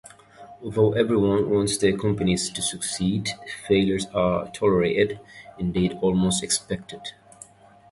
Although everyone wants their company to succeed, failures are tolerated, indeed almost expected.